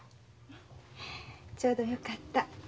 ちょうどよかった。